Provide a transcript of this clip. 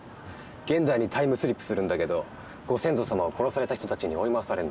現代にタイムスリップするんだけどご先祖さまを殺された人たちに追い回されんの。